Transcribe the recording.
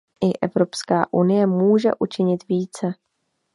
I Evropská unie může učinit více.